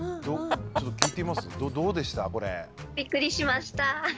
びっくりしました。